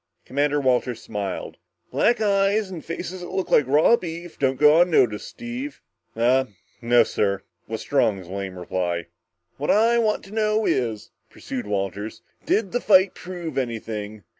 Commander Walters smiled. "Black eyes and faces that looked like raw beef don't go unnoticed, Steve." "Uhh no, sir," was Strong's lame reply. "What I want to know is," pursued Walters, "did the fight prove anything?